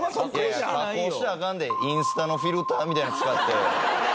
加工したらアカンでインスタのフィルターみたいなん使って。